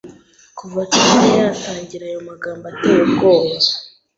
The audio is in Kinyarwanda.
Kuva Charon yatangira ayo magambo ateye ubwoba